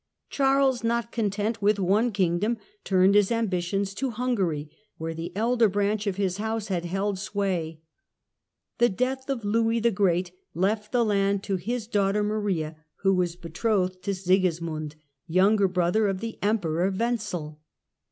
Charles, not content with one Kingdom, turned his ambitions to Hungary, where the elder branch of his house had held sway. The death of Lewis the Great left the land to his daughter Maria, who was betrothed to Sigismund, younger brother of the Emperor Wenzel.